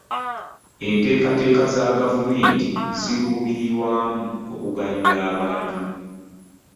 Enteekateeka za gavumenti ziruubirirwamu kuganyula bantu.